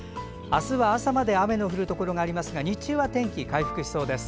あすは朝まで雨の降るところがありますが日中は天気、回復しそうです。